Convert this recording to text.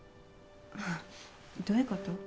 どういうこと？